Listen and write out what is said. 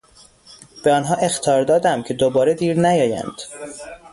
به آنها اخطار دادم که دوباره دیر نیایند.